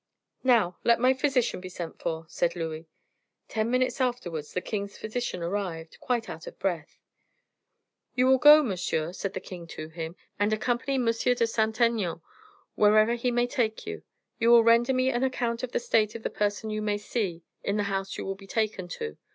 "Now, let my physician be sent for," said Louis. Ten minutes afterwards the king's physician arrived, quite out of breath. "You will go, monsieur," said the king to him, "and accompany M. de Saint Aignan wherever he may take you; you will render me an account of the state of the person you may see in the house you will be taken to."